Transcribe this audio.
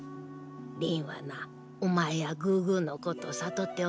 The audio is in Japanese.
リーンはなお前やグーグーのこと悟っておったぞ。